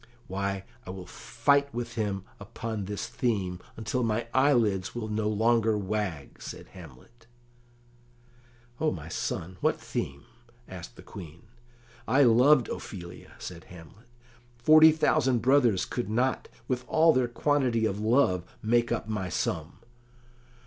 "Why, I will fight with him upon this theme, until my eyelids will no longer wag," said Hamlet. "O my son, what theme?" asked the Queen. "I loved Ophelia," said Hamlet; "forty thousand brothers could not, with all their quantity of love, make up my sum."